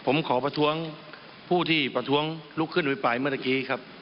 ผมขอประท้วงผู้ที่ประท้วงลุกขึ้นอภิปรายเมื่อตะกี้ครับ